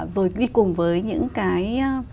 rồi đi cùng với những cái